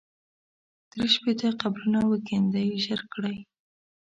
درې شپېته قبرونه وکېندئ ژر کړئ.